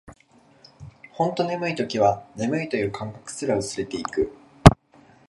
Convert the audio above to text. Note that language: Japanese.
ほんと眠い時は、眠いという感覚すら薄れていく